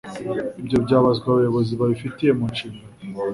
ibyo byabazwa abayobozi babifite mu nshingano.